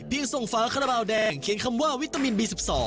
ส่งฝาคาราบาลแดงเขียนคำว่าวิตามินบี๑๒